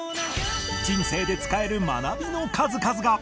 人生で使える学びの数々が！